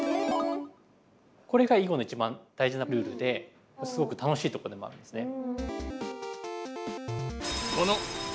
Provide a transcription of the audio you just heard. これが囲碁の一番大事なルールですごく楽しいとこでもあるんですね。